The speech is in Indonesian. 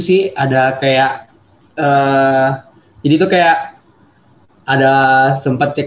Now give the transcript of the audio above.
smp dimana sih sok